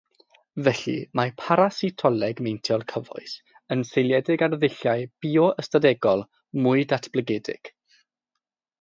Felly mae parasitoleg meintiol cyfoes yn seiliedig ar ddulliau bio-ystadegol mwy datblygedig.